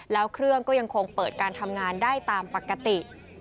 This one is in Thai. แล้วเครื่องก็ยังคงเปิดการทำงานได้ตามปกติ